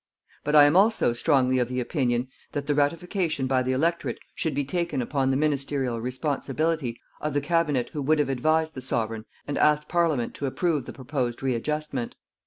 But I am also strongly of opinion that the ratification by the electorate should be taken upon the ministerial responsibility of the Cabinet who would have advised the Sovereign and asked Parliament to approve the proposed readjustment.